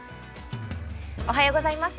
◆おはようございます。